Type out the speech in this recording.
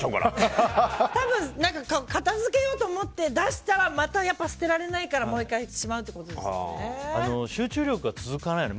多分、片付けようと思って出したらまた捨てられないから集中力が続かないよね。